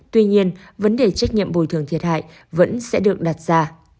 tuy nhiên vấn đề trách nhiệm bồi thường thiệt hại vẫn sẽ được đặt ra